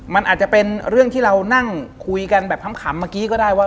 มันอาจจะเป็นเรื่องที่เรานั่งคุยกันแบบขำเมื่อกี้ก็ได้ว่า